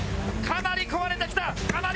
かなり壊れてきた。